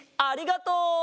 ありがとう！